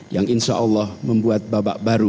yang insyaallah membuat babak baru